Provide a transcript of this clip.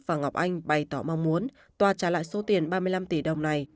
và ngọc anh bày tỏ mong muốn tòa trả lại số tiền ba mươi năm tỷ đồng này